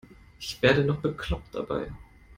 Ich werde noch bekloppt dabei.